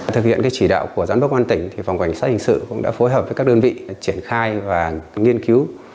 thực hiện chỉ đạo của giám đốc an tỉnh phòng cảnh sát hình sự cũng đã phối hợp với các đơn vị triển khai và nghiên cứu